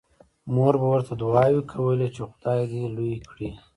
مور به ورته دعاوې کولې چې خدای دې لوی کړي